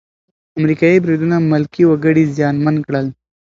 امریکايي بریدونه ملکي وګړي زیانمن کړل.